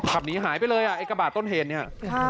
หนีหายไปเลยอ่ะไอ้กระบาดต้นเหตุเนี่ย